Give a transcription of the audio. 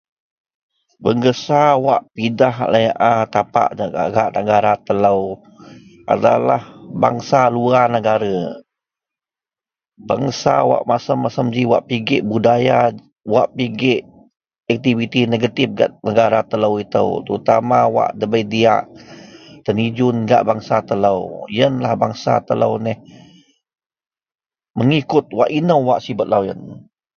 . wak bangsa wak pindah laie a tapak gak negara telou adalah bangsa luar negara, bangsa wak macam-macam ji wak pigek budaya wak pigek aktiviti-aktiviti negative gak negara telou itou, terutama wak debei diak tenijun gak bangsa telou, ienlah bangsa telou neh megikut wak inou sibet loyien